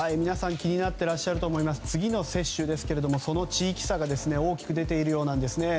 皆さん気になっていらっしゃると思います、次の接種ですがその地域差が大きく出ているようです。